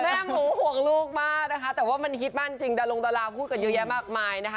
แม่หมูห่วงลูกมากนะคะแต่ว่ามันฮิตมากจริงดารงดาราพูดกันเยอะแยะมากมายนะคะ